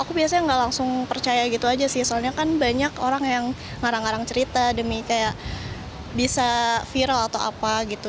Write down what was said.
aku biasanya gak langsung percaya gitu aja sih soalnya kan banyak orang yang ngarang ngarang cerita demi kayak bisa viral atau apa gitu